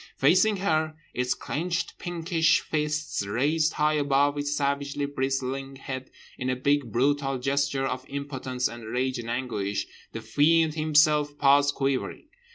Facing her, its clenched, pinkish fists raised high above its savagely bristling head in a big, brutal gesture of impotence and rage and anguish—the Fiend Himself paused quivering.